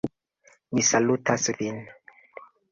Mi salutas vin!